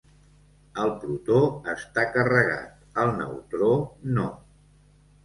El protó està carregat, el neutró no.